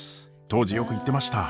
当時よく言ってました。